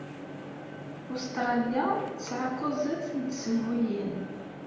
I Ustṛalya tesɛa kuẓet n tsemhuyin?